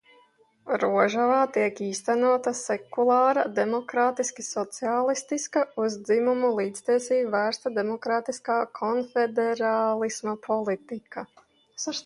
Rožavā tiek īstenota sekulāra, demokrātiski sociālistiska, uz dzimumu līdztiesību vērsta demokrātiskā konfederālisma politika.